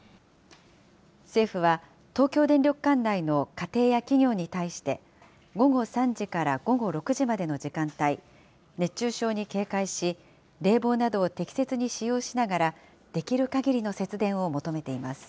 政府は、東京電力管内の家庭や企業に対して、午後３時から午後６時までの時間帯、熱中症に警戒し、冷房などを適切に使用しながら、できるかぎりの節電を求めています。